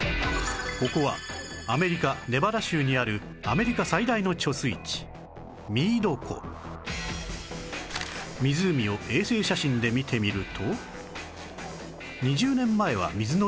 ここはアメリカネバダ州にあるアメリカ最大の貯水池ミード湖湖を衛星写真で見てみると２０年前は水の量が豊富